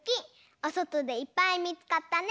おそとでいっぱいみつかったね！